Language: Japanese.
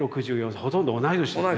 ほとんど同い年ですね。